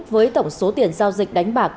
với tổng số tiền giao dịch đánh bạc